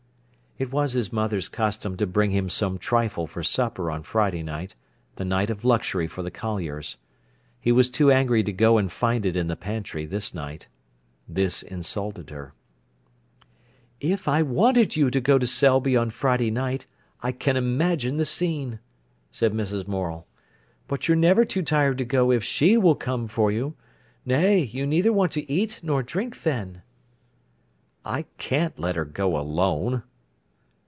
It was his mother's custom to bring him some trifle for supper on Friday night, the night of luxury for the colliers. He was too angry to go and find it in the pantry this night. This insulted her. "If I wanted you to go to Selby on Friday night, I can imagine the scene," said Mrs. Morel. "But you're never too tired to go if she will come for you. Nay, you neither want to eat nor drink then." "I can't let her go alone."